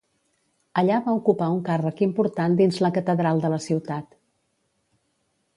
Allà va ocupar un càrrec important dins la catedral de la ciutat.